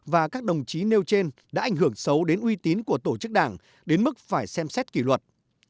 và các đồng chí nêu trên đã ảnh hưởng xấu đến uy tín của tổ chức đảng đến mức phải xem xét kỷ luật